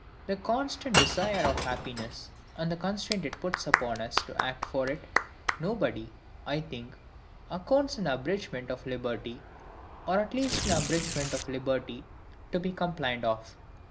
The constant desire of happiness, and the constraint it puts upon us to act for it, nobody, I think, accounts an abridgment of liberty, or at least an abridgment of liberty to be complained of.